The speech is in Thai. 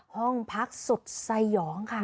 ห้องพักสุดสยองค่ะ